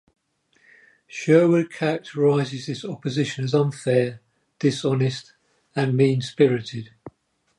Sherwood characterizes this opposition as unfair, dishonest, and mean-spirited.